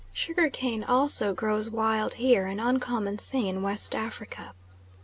Sugar cane also grows wild here, an uncommon thing in West Africa.